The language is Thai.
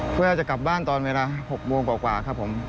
เพื่อจะกลับบ้านตอนเวลา๖โมงกว่าครับผม